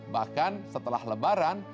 bahkan setelah lebaran